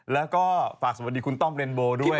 แล้วก็ฝากสวัสดีคุณต้อมเรนโบด้วย